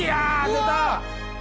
出た！